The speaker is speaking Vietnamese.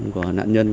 của nạn nhân